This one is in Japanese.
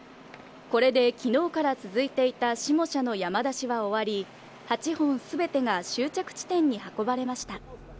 これできのうから続いていた下社の山出しは終わり、８本すべてが終着地点に運ばれました。